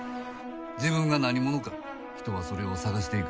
自分が何者か人はそれを探していく。